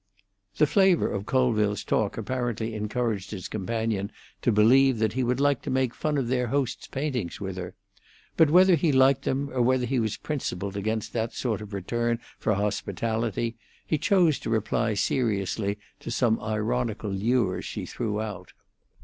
The flavour of Colville's talk apparently encouraged his companion to believe that he would like to make fun of their host's paintings with her; but whether he liked them, or whether he was principled against that sort of return for hospitality, he chose to reply seriously to some ironical lures she threw out.